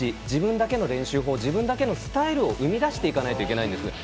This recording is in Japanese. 自分だけの練習法自分だけのスタイルを生み出していかないといけないんです。